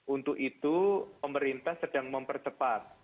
untuk itu pemerintah sedang mempercepat